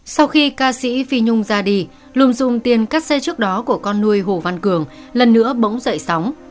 sau khi ca sĩ phi nhung ra đi lùm dùng tiền cắt xe trước đó của con nuôi hồ văn cường lần nữa bỗng dậy sóng